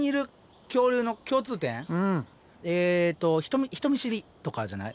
えと人見知りとかじゃない？